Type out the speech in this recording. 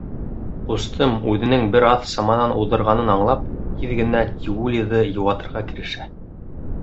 Ҡустым, үҙенең бер аҙ саманан уҙҙырғанын аңлап, тиҙ генә Тиулиҙы йыуатырға керешә.